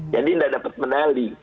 jadi tidak dapat menali